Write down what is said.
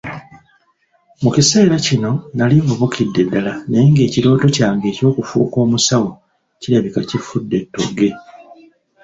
Mu kiseera kino nali nvubukidde ddala naye ng'ekirooto kyange eky'okufuuka omusawo kirabika kifudde ttogge.